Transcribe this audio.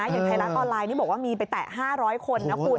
อย่างไทยรัฐออนไลน์นี่บอกว่ามีไปแตะ๕๐๐คนนะคุณ